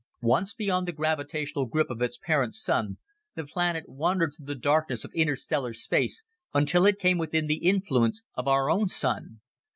"Once beyond the gravitational grip of its parent sun, the planet wandered through the darkness of interstellar space until it came within the influence of our own Sun.